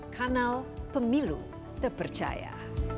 kanal pemilu terpercaya